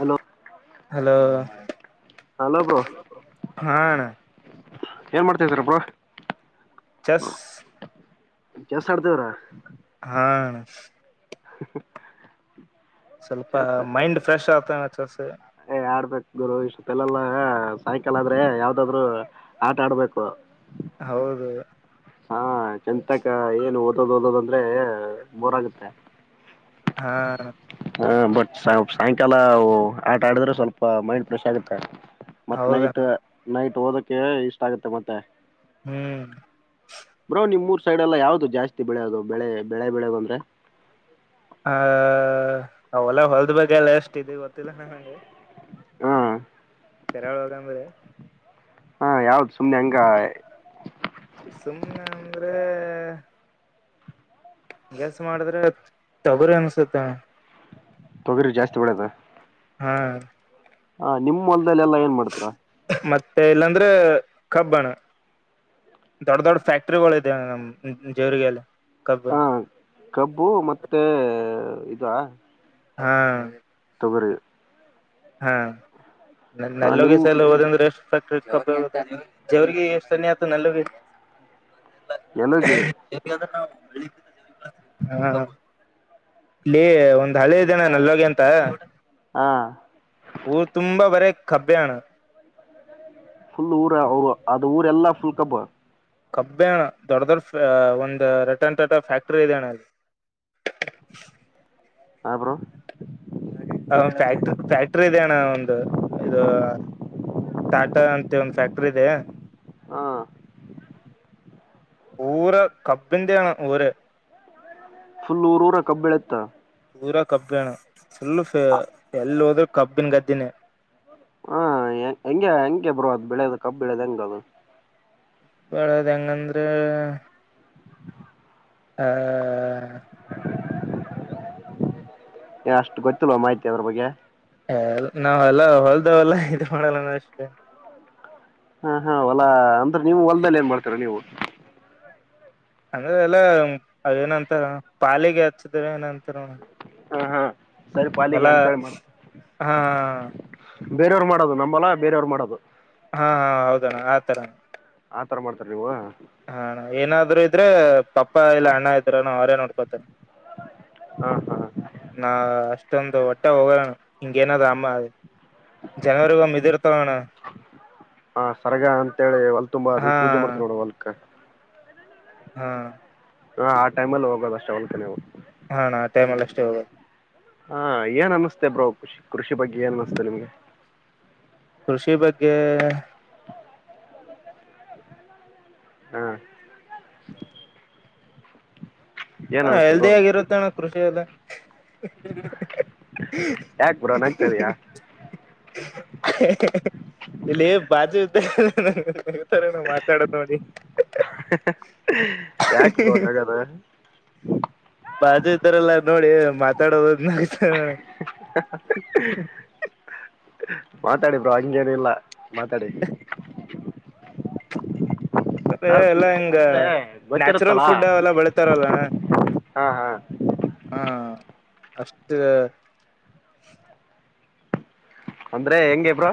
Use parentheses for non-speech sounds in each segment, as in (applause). Hello hello hello bro ಹ ಅಣ್ಣ ಹ ಏನ್ ಮಾಡ್ತಾಇದಿರ ಬ್ರೋ ಚಸ್ ಚೆಸ್ ಅಡ್ತಇದಿರ್ ಹಾ ಅಣ್ಣ (unintelligible) ಸ್ವಲ್ಪ ಮೈಂಡ್ ಫ್ರೆಶ್ ಆತ ಚಲ್ಸೆ ಹ ಆಡ್ಬೇಕು ಗುರು ಇಷ್ಟೊತ್ತಲೆಲ್ಲ ಸಾಯಕಲ್ ಆದ್ರೆ ಯಾವ್ದಾದ್ರು ಆಟ ಆಡ್ಬೇಕು ಹೌದು ಹಾ ಚಂತಕ ಏನು ಓದೋದ್ ಓದೋದ ಅಂದ್ರೆ ಬರೋತ್ತ ಹಾ ಹ ಬಟ್ ಸಾಯಂಕಾಲ ಆಟ ಆಡಿದ್ರೆ ಸ್ವಲ್ಪ ಮೈಂಡ್ ಫ್ರೆಶ್ ಆಗುತ್ತೆ ಮತ್ತ್ ನೈಟ್ ಹೌದಣ್ಣ ನೈಟ್ ಓದಕ್ಕೆ ಇಷ್ಟ ಆಗತ್ತೆ ಮತ್ತೆ ಹ್ಮ್ ಬ್ರೋ ನಿಮ್ ಉರ್ ಸೈಡ್ ಎಲ್ಲಾ ಯಾವವು್ದದು ಜಾಸ್ತಿ ಬೆಳೆಯದು ಬೆಳೆ ಬೆಳೆ ಬೆಳೆಯದು ಅಂದ್ರೆ ಹ ಅವಲ್ಲ ಹೊಲ್ದ ಬಾಗಲ್ಲ ಎಷ್ಟ ಇದ ಗೊತ್ತಿಲ್ಲ ನ ಹಂಗೆ ಹಾ ಕೆರೆ ಒಳ ಅಂಬೇಡಿ ಹಾ ಯಾವ್ದ ಸುಮ್ನೆ ಹಂಗ ಸುಮ್ಮ್ನೆ ಅಂದ್ರೆ ಗೆಸ್ ಮಾಡಿದ್ರೆ ತೊಗರಿ ಅನ್ಸತ್ತ ಅಣ್ಣಾ ತೊಗರಿ ಜಾಸ್ತಿ ಬೆಲ್ಯದ ಹ್ಮ್ ಹಾ ನಿಮ್ಮೊಂದು ಮತ್ತೆ ಇಲ್ಲಾಂದ್ರೆ ಕಬ್ಬಣ್ಣ ದೊಡ್ ದೊಡ್ಡ ಫ್ಯಾಕ್ಟ್ರಿಗಳು ಇದ ನಮ್ ಜೇವರಿಗೆಲ್ಲಿ ಹಾ ಕಬ್ಬು ಮತ್ತೆ ಇದ ಹಾ ತವರು ಹಾ ನಿಮ್ ನಲ್ಲೋಗಿಿಸಲ ಹೋದಂದ್ರೆ ಎಷ್ಟ ಫಕ್ಟ್ರ ಜವ್ರಿಗೆ ಎಷ್ಟು ಸನಿ ಆತು ನಲ್ಲಗ ್ರೆ ಎಲುಗೆ ನಾವು ಬೆಕ್ಕಂತ ಇಲ್ಲಿ ಒಂದ್ ಹಳೆ ಇದನ ನಲ್ಲೋಗಿ ಅಂತ ಹಾ ಊರು ತುಂಬಾ ಬರೆ ಕಬ್ಬೆ ಅಣ್ಣಾ ಫುಲ್ ಊರ ಅವರು ಅದು ಊರ ಎಲ್ಲಾ ಫುಲ್ ಕಬ್ಬು ಕಬ್ಬೆಣ್ಣ ದೊಡ್ಡ ದೊಡ್ಡ ಒಂದು್ ರಟನ್ಟಟ ಫ್ಯಾಕ್ಟ್ರಿ ಇದದೆಣ್ಣ ಅಲ್ಲಿ ಅ ಬ್ರೋ ಫ್ಯಾಕ್ಟ್ರಿ ಫ್ಯಾಕ್ಟ್ರಿ ಇದ ಅಣ್ಣ ಒಂದು ಇದು ಟಾಟಾ ಅಂತ ಒಂದ್ ಫ್ಯಾಕ್ಟ್ರಿ ಇದೆ ಹಾ ಊರ ಕಬ್ಬಿಿಂದ ಆಣ ಊರ ಫುಲ್ ಊರ್ ಊರ ಕಬ್ಬಬೆಳೆಯುತ್ತ ಪೂ ರ ಕಬ್ಬಿಣ ಸುಳ್ಳು ಎಲ್ಲಿ ಹೋದ್ರೂ ಕಬ್ಬಿನ ಗದ್ದಿನೇ ಹಾ ಹೆಂಗೆ ಹೆಂಗೆ ಬ್ರೋ ಬೆಳೆಯೋದು ಕಬ್ ಬೆಳಿಯದು ಹೆಂಗದು ಬೆಳಯದ್ ಹೆಂಗಂದ್ರೆ ಹ್ಮ್ ಅಷ್ಟು ಗೊತ್ತಲ್ ಮಾಹಿತಿ ಅದ್ರ ಬಗ್ಗೆ ನಾವ್ೆಲ್ಲ ಹೊಲ್ದಾವಲ್ಲ ಇ ಮಾಡಲ್ಲ ಅಷ್ಟೇ ಹಾ ಹಾ ಹೊಲಾ ಅಂದ್ರೆ ನೀವು ಹೊಲಲ್ದದಲ್ಲಿ ಏನ್ ಮಾಡ್ತರ ನೀವು ಅಂದ್ರ ಎಲ್ಲ ಅ ಏನಂತಾರ ಪಾಲಿಗೆ ಹಚ್ಚಿದವ ಏನಂತಾರ ಹಾ ಹಾ ಸರಿ ಹೊಲ ಪಾಲಿಗೆ ಅಂತ ಹೇಳಿ ಮಾಡ್ತ ಹಾ ಬೇರೆಯವ್ರು ಮಾಡೋದು ನಂಬಲ್ಲ ಬೇರೆಯವ್ರು ಮಾಡೋದು ಹಾ ಹಾ ಹೌದು ಅಣ್ಣ ಆತರ ಆತರ ಮಾಡ್ತಾರೆ ನೀವು ಹ ಏನಾದ್ರರು ಇದ್ರೆ ಪಾಪ್ಪಾ ಇಲ್ಲ ಅಣ್ಣ ಇದ್ರನು ಅವರೇ ನೋಡ್ಕೋತಾರೆ ಹಾ ನಾ ಅಷ್ಟೊಂದು ಒಟ್ಟ ಟ್ಟ ಹೋಗೋಣ ಹಿಂಗೇನದ ಅಮ್ಮ ಜನರಿಗ ಮಿದೂ ಇರುತ ನೋಡು ಹಾ ಸರಗ ಅಂತೇಳಿ ಹೊಲ್ ತುಂಬಾ ಅ ಹಾ ಪೂಜೆ ಮಾಡ್ತವಿ ನೋಡ ಹೊಲ್ಕ್ ಹಾ ಹಾ ಆ ಟೈಮ್ಲ್ಲಿ ಹೋಗೋದ ಅಷ್ಟ ಹೊಲಕ ನೀವು ಹಾ ಅಣ್ಣ ಹಾ ಟೈಮ್ ಅಲ್ಲಿ ಅಷ್ಟೇ ಹೋಗುಡೂ ಹಾ ಏನ್ ಅನ್ನಿಸ್ತತೆ ಬ್ರೋ ಕೃಷಿ ಕೃಷಿ ಬಗ್ಗೆ ಏನ್ ಅನಸ್ತತೆ ನಿಮ್ಗೆ ಕೃಷಿ ಬಗ್ಗೆ ಹ್ಮ್ ಏನ್ ಹ ಅನ್ನಿಸ್ತೆ ಹಾಲ್ಟ್ ಬ್ರೋ ಆಗಿರುತ್ತೆ ಅಣ್ಣ ಕೃಷಿ ಅಲ್ಲ (unintelligible) ಯಾಕ್ ಬ್ರೋ ನಗ್ತಾ ಇದೀಯಾ (unintelligible) ಇಲ್ಲೇ ಬಾಜುದ (unintelligible) (unintelligible) ನಾವು ಮಾತಾಡೋತಡಿ ಯಾಕ್ ಬ್ರೋ (unintelligible) ನಗದು ಮಾತಾಡೋದು ನಗುತ (unintelligible) (unintelligible) ಮಾತಾಡಿ ಬ್ರೋ ಹಂಗೆ ಏನು ಇಲ್ಲ ಮಾತಾಡಿ (unintelligible) (unintelligible) ಹಾ ಎಲ್ಲಾ ಸುಮ್ನೆ ಹಿಂಗ ಅಂದ್ರೆ ನ್ಯಾಚುರಲ್ ಗೊತ್ತಿರುತ್ತಲ್ಲ ಫುಡ್ ಎಲ್ಲ ಬೆಳಿತಾರಲ್ಲಣ್ಣ ಹಾ ಹಾ ಹಾ ಅಷ್ಟ ಅಂದ್ರೆ ಹೆಂಗೆ ಬ್ರೋ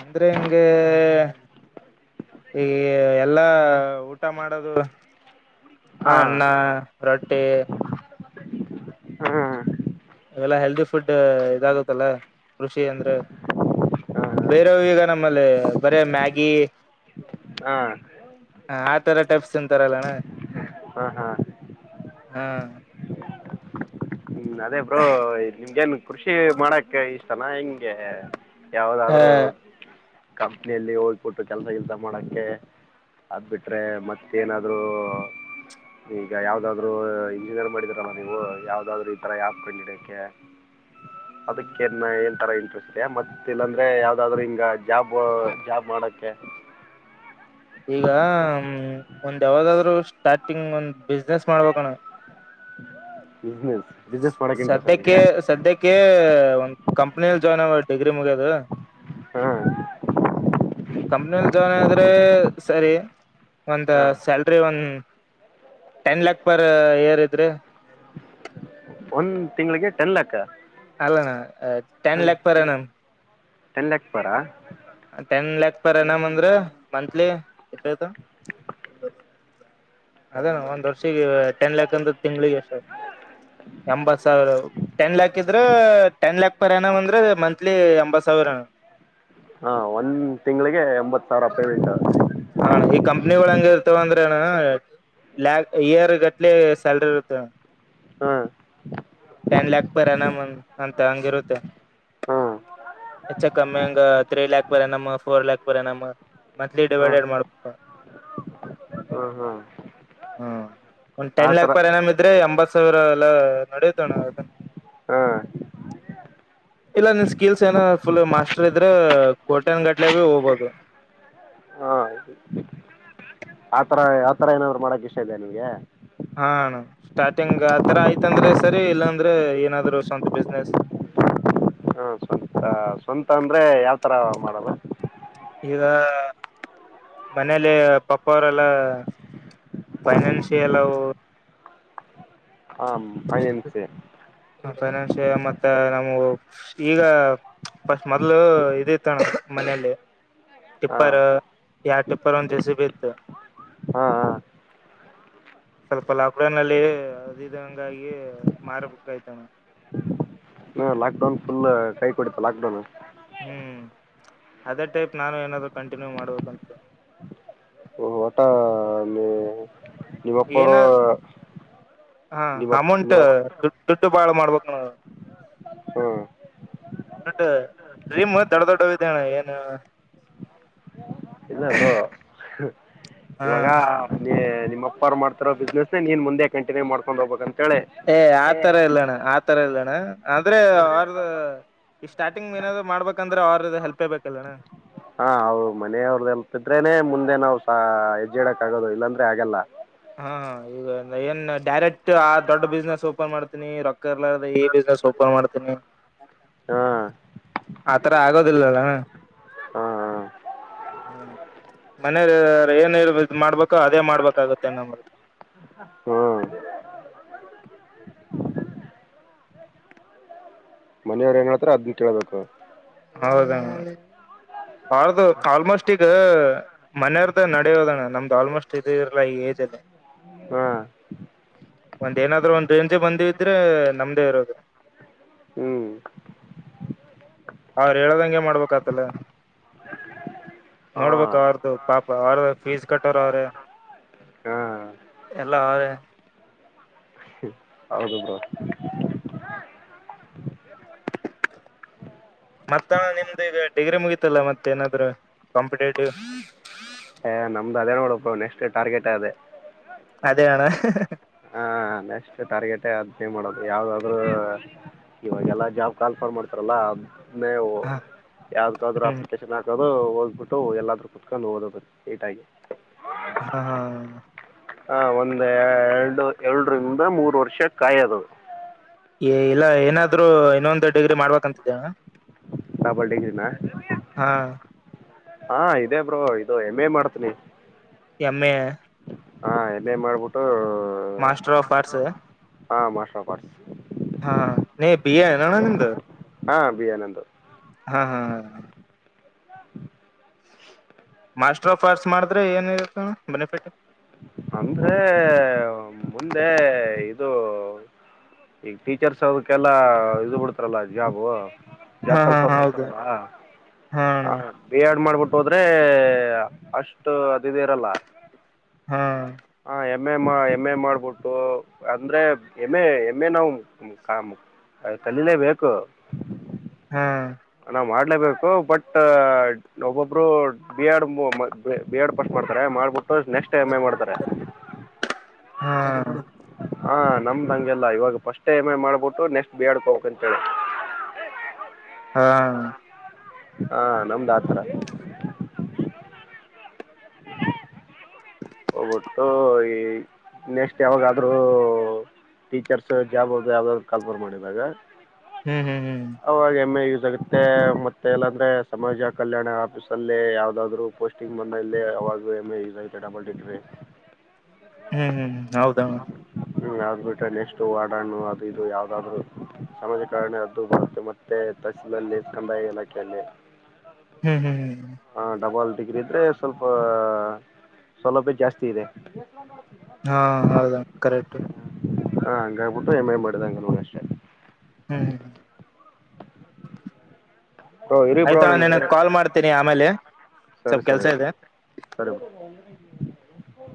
ಅಂದ್ರೆ ಹಿಂಗೆ ಏ ಎಲ್ಲಾ ಊಟ ಮಾಡದು ಹಾ ಅನ್ನ ರೊಟ್ಟಿ (unintelligible) ಹ್ಮ್ ಇವೆಲ್ಲಾ ಹೆಲ್ದಿ ಫುಡ್ ಇದಾಗತ್ತಲ್ಲ ಕೃಷಿ ಅಂದ್ರೆ ಹಾ ಬೇರ ಹಾ ಈಗ ನಮ್ಮಲ್ಲಿ ಬರೇ ಮ್ಯಾಗಿಿ ಹಾ ಈರ ಟೆಪ್ಸ್ ತಿಂತಾರಲ್ಲಣ್ಣ ಹಾ ಹಾ ಹಾ ಹ್ಞೂ ಅದೇ ಬ್ರೋ ನಿಮಗೆ ಎನ್ ಕೃಷಿ ಮಾಡಕ್ ಇಷ್ಟನಾ ಹೆಂಗೆ ಯಾವದಾದ್ರರು ಕಂಪ್ನಿಯಲ್ಲಿ ಹೋಗ್ಬಟ್ಟು ಕೆಲ್ಸ ಗೆಲ್ಸ ಮಾಡಕ ಅದಬಿಟ್ರೆ ಮತ್ತೇನಾದ್ರು ಈಗ ಯಾವ್ದಾದ್ರು ಇಂಜಿನಿಯರ್ ಮಾಡಿದರಮ್ಮ ನೀವು ಯಾವ್ದಾದ್ರು ಈ ತರ ಯಪ್ ಕಂಡಿಡಕ್ಕೆ (unintelligible) ಹ ಅದಕ್ಕೆನ್ನ ಇಂಟ್ರೆಸ್ಟ್ ಮತ್ತ ಇಲ್ಲಾಂದ್ರೆ ಯಾವ್ದಾದ್ರೂ ಹಿಂಗ ಜಾಬ್ ಜಾಬ್ ಮಾಡಕ್ಕೆ (unintelligible) ಈಗ ಒಂದ್ ಯಾವದಾದ್ರು ಸ್ಟಾರ್ಟಿಂಗ್ ಒಂದ್ ಬಿಸ್ನೆಸ್ ಮಾಡ್ಬೇಕೂ ಅಣ್ಣ ಬಿಸಿನೆಸ್ ಸದ್ಯಕ್ಕೆ ಸದ್ಯಕ್ಕೆ ಒ ಕಂಪ್ನಿಯಲ್ಲಿ ಜಾಯ್ನ್ ಆ ಡಿಗ್ರಿ ಮುಗ್ಯದು ಹ್ಮ್ (unintelligible) ಕಂಪ್ನಿಲ್ಲಿ ಜಾಯಿನ್ ಆದ್ರೆ ಸರಿ ಒಂದ ಹಾಂ ಸ್ಯಾಲ್ರಿ ಒಂದ ಟೆನ್ ಲ್ಯಾಕ್ ಪರ್ ಏರ್ ಇದ್ರಿ ಒಂದ್ ತಿಂಗಳಿಗೆ ಟೆನ್ ಲಕ್ಕ ಅಲ್ಲಣ ten lakh per annum ten lakh per ten lakh per annum ಅಂದ್ರೆ ಮಂತ್ಲಿ ಎಷ್ಟ ಆಯ್ತು ಅದೇನ ಒಂದ್ ವರ್ಷಿಗೆ ಟೆನ್ ಲ್ಯಾಕ್ ಅಂದ್ರ ತಿಂಗಳಿಗೆ ಎಷ್ಟ ಆತ ಎಂಬತ್ ಸಾವಿರ ಟೆನ್ ಲ್ಯಾಕ್ ಇದ್ರೆ ಟೆನ್ ಲ್ಯಾಕ್ ಪರ್ ಎನುಮ್ ಅಂದ್ರೆ ಮಂತ್ಲಿ ಎಂಬತ್ ಸಾವಿರ ಏನ ಹಾ ಒಂದ್ ತಿಂಗಳಿಗೆ ಎಂಬತ್ ಸಾವಿರ ಪೇಮೆಂಟ್ ಹೆಂಗ ಇರ್ತವಂದ್ರೆ ಅಣ್ಣ ಲ್ಯಾಕ್ ಇಯರ್ ಗಟ್ಲೆ ಸ್ಯಾಲ್ರಿ ಇರ್ತ ಹಾ ಟೆನ್ ಲ್ಯಾಕ್ ಪರ ಎನಾಮ್ ಅಂತ ಹಂಗಿರುತ್ತೆ ಹಾ ಹೆಚ್ಚ ಕಮ್ಮಿಂಗ three lakh per annum four lakh per annum monthly divided ಮಾಡ್ಬೇಕ ಹ್ಮ ಹ್ಮ್ ಹ್ಮ್ ಒಂದ್ ಟೆನ್ ಲ್ಯಾಕ್ ಪರ್ ಎನಮ್ ಇದ್ರೆ ಎಂಬತ್ ಸಾವಿರ ಎಲ್ಲ ನೋಡಿ ಣ ಹಾ ಇಲ್ಲ ನಿನ್ ಸ್ಕಿಲ್ಸ್ ಏನ ಫುಲ್ ಮಾಸ್ಟರ್ ಇದ್ರೆ ಕೋಟ್ಯನ್ ಗಟ್ಲೆ ಭ ಹೋಗಬಹುದು ಹಾ ಹಾದು ಆತರ ಆತರ ಏನಾದ್ರು ಮಾಡಕ್ ಇಷ್ಟ ಇದೆಯಾ ನಿಮ್ಗೆ ಹಾ ಅಣ್ಣ ಸ್ಟಾರ್ಟಿಂಗ್ ಆತರ ಆಯ್ತಂದ್ರೆ ಸರಿ ಇಲ್ಲಾಂದ್ರೆ ಏನಾದ್ರು ಸ್ವಂತ ಬಿಸ್ನೆಸ್. ಹಾ ಸ್ವಂತ ಸ್ವಂತ ಅಂದ್ರೆ ಯಾವತರ ಮಾಡೋದು ಈಗ ಮನೇಲಿ ಪಪ್ಪ ಅವರೆಲ್ಲ ಫೈನಾನ್ಸಿ ಎಲ್ಲ ಹ ಫೈನಾನ್ಸ್ ಫೈನಾನ್ಷಿಯ ಮತ್ತ ನಮವು ಈಗ ಫಸ್ಟ್ ಮೊದ್ಲು ಇದ ಇತಣ ಮನೇಲಿ ಹಾ ಟಿಪ್ಪರ್ ಎಡ ಟಿಪ್ಪರ ಒಂದ ಜೆಸಿ ಬಿ ಇತ್ತು ಹಾ ಹಾ ಸ್ವಲ್ಪ ಲಾಕಡೌನಲ್ಲಿ ಅ ಹಿಂಗಾಗಿ ಮಾರಬೇಕಾಯ್ತಣ ಹ ಲಾಕ್ಡೌನ್ ಫುಲ್ ಕೈ ಕೊಡಿತ ಲಾಕ್ಡೌನ್ ಹ್ಮ್ ಅದೇ ಟೈಪ್ ನಾನು ಏನಾದರೂ ಕಂಟಿನ್ಯೂ ಮಾಡ್ಬೇಕಂತ ಓ ಟಾ ಇವ ಅಪ್ಪರೋ ಹಾ ಅಮೌಂಟ್ ದುಡ್ ದುಡ್ಡು ಬಾಳ ಮಾಡ್ಬೇಕು ನ ಹ್ಮ್ ದಡ್ಡ ಡ್ರೀಮ್ ದೊಡ್ಡ ದೊಡ್ಡವಿದ್ದವೆ ಏನು ಇಲ್ಲ ಬ್ರೋ ಹಾ ಇವಾಗ ಮಾಡ್ತರ ಬಿಸ್ನೆಸ್ ನೀನ್ ಮುಂದೆ ಕಂಟನ್ಯ ಮಾಡ್ಕೊಂಡ ಹೋಗ್ಬೇಕಂತ ಏ ಆತರ ಇಲ್ಲಣ್ಣ ಆತರ ಇಲ್ಲಣ್ಣ ಅಂದ್ರೆ ಅವಾರ್ದ ಈ ಸ್ಟಾರ್ಟಿಂಗ್ ಏನಾದ್ ಮಾಡ್ಬೇಕಂದ್ರೆ ಅವ್ರ್ದ ಹೆಲ್ಪ್ ಬೇಕಲ್ಲಣ್ಣ ನಾವು ಮನೆಯವ್ರ್ದಲ್ತಿದ್ರೇನೆ ಮುಂದೆ ನಾವ್ ಸ ಹೆಜ್ಜಿಡಕ್ ಆಗೋದು ಇಲ್ಲಾಂದ್ರೆ ಆಗಲ್ಲ ಹಾ ಈಗ ಏನ್ ಡೈರೆಕ್ಟ್ ಆ ದೊಡ್ಡ ಬಿಸ್ನೆಸ್ ಓಪನ್ ಮಾಡ್ತೀನಿ ರೊಕ್ಕ ಇರಲಾರದ ಈ ಬಿಸ್ನೆಸ್ ಓಪನ್ ಮಾಡ್ತೀನಿ ಹಾ ಆತರ ಆಗೋದಿಲ್ಲ ಅಣ್ಣ ಹಾಂ ಹಾಂ ಹ್ಮ ಮನೆಲಿ ಏನ್ ಇದ ಮಾಡ್ಬೇಕು ಅದೇ ಮಾಡ್ಬೇಕಾಗುತ್ತೆ. ತ್ತ ನ ಹ್ಞೂ ಏನ್ ಹೇಳ್ತಾರೆ ಅದ್ನ್ ಕೇಳ್ಬೇಕು. ಹೌದ ಅಣ್ಣ ಬಳದು ಆಲ್ಮೋಸ್ಟ್ ಈಗ ಮನೆಯರ್ದ ನಡೆಯೋದಣ ನಮ್ದ್ ಆಲ್ಮೋಸ್ಟ್ ಇದ ಇರ್ಲ ಈಗ ಇದರದೇ ಹಾ (unintelligible) ಒಂದ್ ಏನಾದ್ರೂ ಒಂದ್ ರೇಂಜೆ ಬಂದಿದ್ರೆ ನಮ್ದೇ ಇರೋದು ಹ (unintelligible) ಅವ್ರ ಹೇಳದಂಗೆ ಮಾಡ್ಬೇಕತಲ ನೋಡ್ಬೇಕ ಹಾಂ ಅವಾರ್ದು ಪಾಪ ಅವ್ರ ಫೀಸ್ ಕಟ್ಟೋರವ್ರೆ. ಹಾಂ ಎಲ್ಲ ಆಯೆ ಹೌದು ಬ್ರೋ ಮತ್ತ ನಿಮ್ದ ಈಗ ಡಿಗ್ರಿ ಮುಗೀತಲ್ಲ ಮತ್ತ ಏನಾದ್ರು ಕಂಪಿಟೇಟಿವ್ ಏ ನಮ್ದು ಅದೇ ನೋಡಪ್ಪ ನೆಕ್ಸ್ಟ್ ಟಾರ್ಗೆಟ್ ಅದೇ ಅದೇ ಅಣ ಹಾಂ ನೆಕ್ಸ್ಟ್ ಟಾರ್ಗೆಟ ಅದ್ನ ಮಾಡೋದು ಯಾವ್ದಾದ್ರರು ಇವಾಗೆಲ್ಲ ಜಾಬ್ ಕಾಲಫರ್ ಮಾಡ್ತಾರಲ್ಲ ನವು ಹಾ ಯಾವ್ಡ್ಕಾದ್ರು ಹ್ಮ್ ಅಪ್ಲಿಕೇಶನ್ ಹಾಕ ಹ ಹೋಗ್ಬಿಟ್ಟು ಎಲ್ಲಾದ್ರೂ ಕುೂತ್ಕೊಂಡು ಓದದ ನೀಟಾಗಿ. ಹಾ ಹಾ ಹ ಒಂದ ಎರಡು ಎರಡರಿಂದ ಮೂರ್ ವರ್ಷ ಕಾಯದು. ಏ ಇಲ್ಲ ಏನಾದ್ರರು ಇನ್ನೊಂದು ಡಿಗ್ರಿ ಮಾಡ್ಬೇಕಂತಿದ್ದೇ ಡಬ್ಬಲ್ ಡಿಗ್ರೀನ ಹಾ ಇದೇ ಬ್ರೋ ಇದು ಎಮ್ ಎ ಮಾಡ್ತನಿ. ಎಂ ಎ ಹಾ ಎಂ ಎ ಮಾಡ್ಬಿಟ್ಟು ಮಾಸ್ಟರ್ ಆಫ್ ಆರ್ಟ್ಸ್ ಪ್ರಕಡ್ಸ್ ಹಾ ನೀ ಬಿಎ ಅನನ ನಿಂದು. ಹಾ ಬಿಎ ನಂದು. ಹಾ ಹಾ ಹಾ ಮಾಸ್ಟರ್ ಆಫ್ ಆರ್ಟ್ಸ್ ಮಾಡಿದ್ರೆ ಏನ ಇರುತ್ತೆ ಅಣ ಬೆನಿಫಿಟ್. ಅಂದರೆ ಮುಂದೆ ಇದು ಈಗ ಟೀಚರ್ಸ್ ಅದಕ್ಕೆಲ್ಲಾ ಇದು ಬಿಡ್ತರಲ ಜಾಬು ಹಾ ಜಾಬ್ ಕಾಲ್ ಹಾ ಫಾರ್ಮ್ ಹೌದು ಮಾಡ್ತರಲ ಹಾ ಅಣ್ಣ ಬಿ ಆಡ್ ಮಾಡ್ಬಿಟ್ ಹೋದ್ರೆ ಅಷ್ಟು ಅದು ಇದ ಇರಲ ಹ್ಮ್ ಎಮ್ ಎ ಎಮ್ ಎ ಮಾಡ್ಬಿಟ್ಟು ಅಂದ್ರೆ ಎಮ್ ಎ ಒಮ್ಮೆ ನಾವು ಕಲೀಲೇ ಬೇಕು. ಹಾ ಲೇ ಬೇಕ್ ಬಟ್ ಒಬ್ಬೊಬ್ರು B Ed B Ed pass ಮಾಡ್ತಾರೆ ಮಾಡ್ಬಟ್ಟು ರೋ ನೆಕ್ಸ್ಟ್ ಎಮ್ ಎ ಮಾಡ್ತರ. ಹಾ ಹಾ ನಮ್ದಂಗೆಲ್ಲ ಇವಾಗ ಫಸ್ಟ್ ಟಮ ಮಾಡ್ಬಿಟ್ಟು ನೆಕ್ಸ್ಟ್ ಬಿ ಎಡ್ ಬಡ್ಕೋಕ್ ಅಂತೇಳಿ. ಹಾ ಹಾ ನಮ್ದ ಆಥರ ಬಟ್ಟು ಈ ನೆಸ್ಟ್ ಯಾವಾಗಾದ್ರೂ ಟೀಚರ್ಸ್ ಜಾಬ್ ಅ ಯಾವ್ದಾದ್ರು ಕಾಲ್ಪರ್ ಮಾಡಿದಾಗ ಹ್ಮ್ ಹ್ಮ್ ಹ್ಮ್ ಜಗತ್ತ ಮತ್ತೆ ಎಲ್ಲ ಅಂದ್ರೆ ಸಮಾಜ ಕಲ್ಯಾಣ ಆಫೀಸ್ ಅಲ್ಲಿ ಯಾವದಾದ್ರು ಪೋಸ್ಟಿಂಗ್ ಮ ಇಲ್ಲಿ. ಡಬಲ್ ಟ ಹ್ಮ್ ಹ್ಮ್ ಹೌದನ. ಹ್ಮ್ ಯಾವ್ದ್ ಬೇಕಾದ್ರಾ ನೆಕ್ಸ್ಟ್ ವಡಣು ಅ ಇದು ಯಾವ್ದಾದ್ರು ಸಮಾಜಕಾರಣಿ ಅದ್ದು ಬರುತ್ತೆ ಮತ್ತೆ ತಹಸೀಲಲ್ಲಿ ಕಂದಾಯ ಇಲಾಖೆಯಲ್ಲಿ ಹ್ಮ್ ಹ್ಮ್ ಹ್ಮ್ ಹ ಡಬಲ್ ಡಿಗ್ರಿ ಇದ್ರೆ ಸ್ವಲ್ಪ ಸೌಲಭ್ಯ ಜಾಸ್ತಿ ಇದೆ. ಹಾ ಹೌದ ಕರೆಕ್ಟ್. ಹ್ಯಾಂಗ್ಬುಟ್ಟು ಎಂ ಎ ಮಾಡಿದಂಗಷ್ಟೇ. ಹ್ಮ್ ಹ್ಮ ಬ್ರೋ ಇರಿ ಬ್ರೋ ಆಯ್ತಣ್ಣ ನಿನಗ್ ಕಾಲ್ ಮಾಡ್ತೀನಿ ಆಮೇಲೆ ಸರಿ ಸ್ವಲ್ಪ ಸರಿ ಕೆಲ್ಸ ಇದೆ ಸರಿ